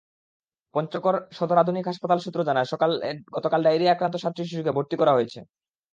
পঞ্চগড় সদর আধুনিক হাসপাতাল সূত্র জানায়, গতকাল ডায়রিয়া-আক্রান্ত সাতটি শিশুকে ভর্তি করা হয়েছে।